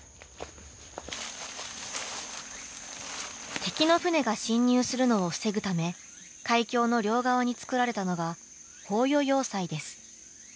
敵の船が侵入するのを防ぐため海峡の両側に造られたのが豊予要塞です。